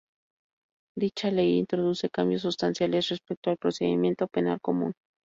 Dicha Ley introduce cambios sustanciales respecto al procedimiento penal común.